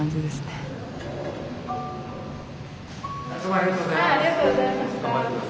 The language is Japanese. ありがとうございます。